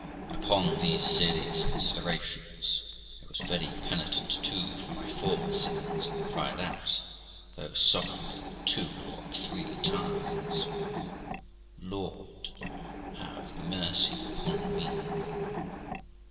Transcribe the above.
Upon these serious considerations, I was very penitent too for my former sins, and cried out, though softly, two or three times 'Lord, have mercy upon me!'